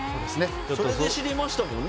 それで知りましたもんね。